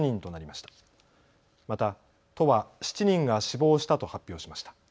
また、都は７人が死亡したと発表しました。